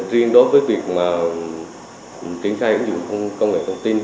riêng đối với việc mà chính xác ứng dụng công nghệ thông tin